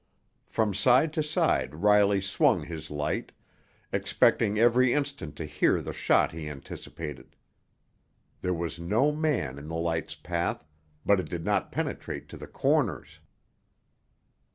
From side to side Riley swung his light, expecting every instant to hear the shot he anticipated. There was no man in the light's path, but it did not penetrate to the corners.